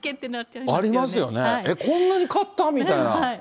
こんなに買った？みたいな。